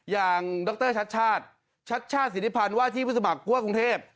อย่างดรชัชชาติชัชชาติศิริพันธ์ว่าที่พุทธสมัครกรุงเทพฯ